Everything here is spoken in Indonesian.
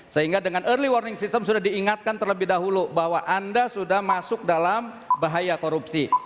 sehingga dengan early warning system sudah diingatkan terlebih dahulu bahwa anda sudah masuk dalam bahaya korupsi